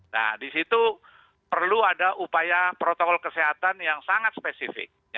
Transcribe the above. nah di situ perlu ada upaya protokol kesehatan yang sangat spesifik